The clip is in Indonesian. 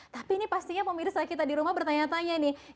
tapi ini pastinya pemirsa kita di rumah bertanya tanya nih